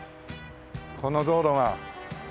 この道路が。